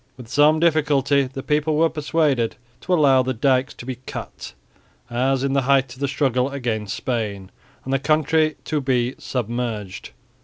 With some difficulty the people were persuaded to allow the dykes to be cut, as in the height of the struggle against Spain, and the country to be submerged.